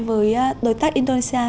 với đối tác indonesia